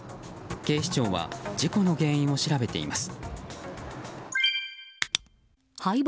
警視庁は事故の原因を調べています。